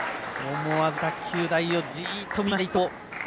思わず卓球台をじっと見ました、伊藤。